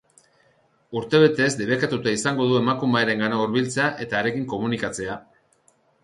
Urtebetez debekatuta izango du emakumearengana hurbiltzea eta harekin komunikatzea.